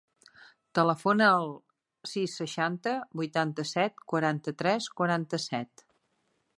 Telefona al sis, seixanta, vuitanta-set, quaranta-tres, quaranta-set.